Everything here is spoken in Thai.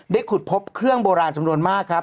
ขุดพบเครื่องโบราณจำนวนมากครับ